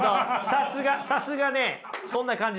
さすがさすがねそんな感じしました。